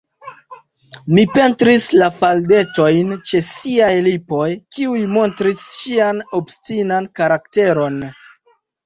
Mi pentris la faldetojn ĉe ŝiaj lipoj, kiuj montris ŝian obstinan karakteron.